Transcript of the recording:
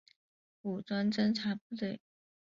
武装侦察部队。